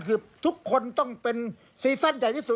คือทุกคนต้องเป็นซีซั่นใหญ่ที่สุด